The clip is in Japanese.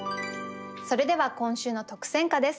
それでは今週の特選歌です。